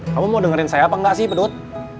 kamu mau dengerin saya apa enggak sih pedut